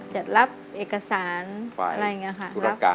จัดรับเอกสารต่อกัจค่ะ